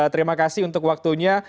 terima kasih untuk waktunya